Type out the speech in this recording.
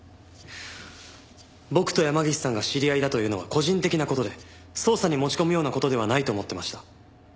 僕と山岸さんが知り合いだというのは個人的な事で捜査に持ち込むような事ではないと思ってました。